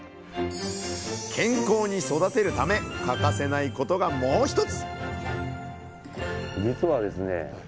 健康に育てるため欠かせないことがもう１つ！